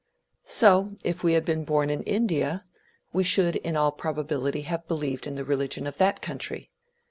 So, if we had been born in India, we should in all probability have believed in the religion of that country.